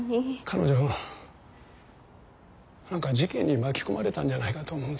彼女何か事件に巻き込まれたんじゃないかと思うんですが。